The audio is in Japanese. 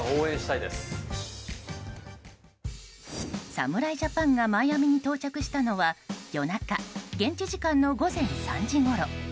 侍ジャパンがマイアミに到着したのは夜中現地時間の午前３時ごろ。